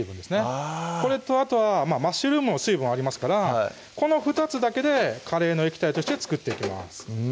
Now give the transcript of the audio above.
あぁこれとあとはマッシュルームも水分ありますからこの２つだけでカレーの液体として作っていきます